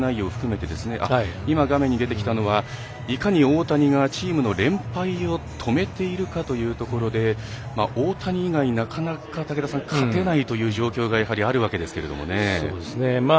そして今、画面に出てきたのはいかに大谷が連敗を止めているかというところで大谷以外なかなか勝てないという状況がやはりあるわけですが。